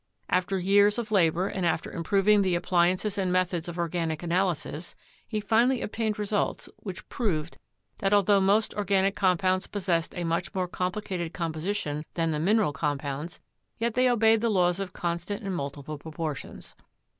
After years of labor, and after improv ing the appliances and methods of organic analysis, he finally obtained results which proved that altho most or ganic compounds possessed a much more complicated com position than the mineral compounds, yet they obeyed the laws of constant and multiple proportions.